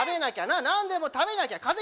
何でも食べなきゃ風邪